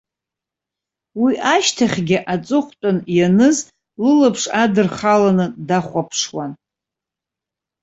Уи ашьҭахьгьы аҵыхәтәан ианыз лылаԥш адырхаланы дахәаԥшуан.